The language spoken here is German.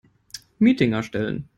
Meeting erstellen.